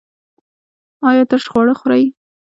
ایا ترش خواړه خورئ؟